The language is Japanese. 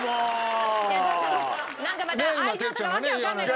なんかまた愛情とか訳わかんない事。